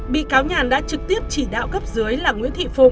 bị cáo nhàn đã trực tiếp chỉ đạo cấp dưới là nguyễn thị phụng